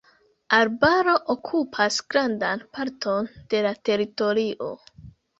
Arbaro okupas grandan parton de la teritorio.